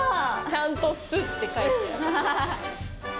ちゃんと「す」って書いてある。